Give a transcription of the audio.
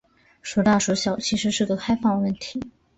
孰大孰小其实是个开放问题。